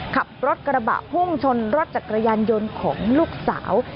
ขับรถกระบะพุ่งชนรถจักรยานยนต์ของลูกสาว